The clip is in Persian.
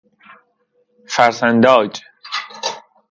فرسنداج